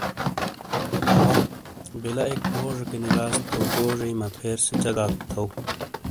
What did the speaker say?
اَوا بَلہ اِک گوجیکینی گاس تو گوجیئی مَپھیر سے چَگاک تھو ۔